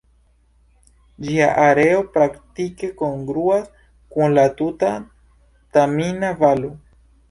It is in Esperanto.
Ĝia areo praktike kongruas kun la tuta Tamina-Valo.